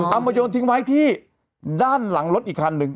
เอามาโยนทิ้งไว้ที่ด้านหลังรถอีกคันหนึ่ง